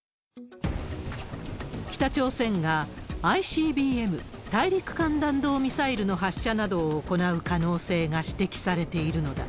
北朝鮮が、ＩＣＢＭ・大陸間弾道ミサイルの発射などを行う可能性が指摘されているのだ。